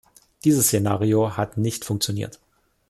Dieses Szenario hat nicht funktioniert.